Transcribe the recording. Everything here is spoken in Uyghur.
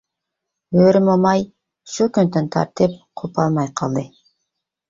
ھۆرى موماي شۇ كۈندىن تارتىپ قوپالماي قالدى.